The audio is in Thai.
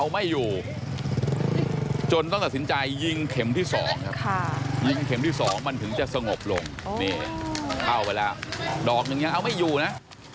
ไม่อยู่จนต้องตัดสินใจยิงเข็มที่สองครับค่ะยิงเข็มที่สองมันถึงจะสงบลงนี่เอาไปแล้วดอกหนึ่งยังเอาไม่อยู่นะ